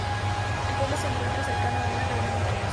El pueblo se se encuentra cercano a una cadena montañosa.